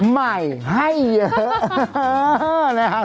ใหม่ให้เยอะ